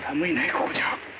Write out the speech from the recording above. ここじゃ。